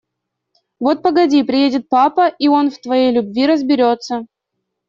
Вот погоди, приедет папа, и он в твоей любви разберется.